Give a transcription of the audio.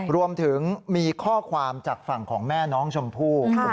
รวมถึงมีข้อความจากฝั่งของแม่น้องชมพู่